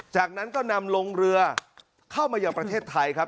จากนั้นก็นำลงเรือเข้ามายังประเทศไทยครับ